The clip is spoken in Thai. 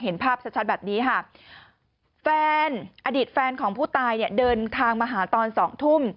เห็นภาพชัดแบบนี้ค่ะแฟนอดีตแฟนของผู้ตายเนี่ยเดินทางมาหาตอนสองทุ่ม